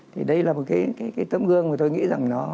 thì đây là một cái tấm gương mà tôi nghĩ rằng nó